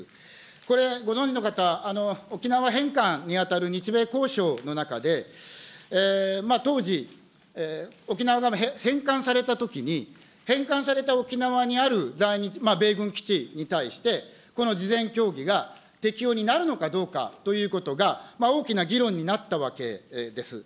これ、ご存じの方、沖縄返還にあたる日米交渉の中で、当時、沖縄が返還されたときに、返還された沖縄にある在日米軍基地に対して、この事前協議が適用になるのかどうかということが、大きな議論になったわけです。